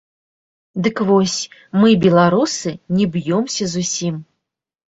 Дык вось, мы, беларусы, не б'ёмся зусім.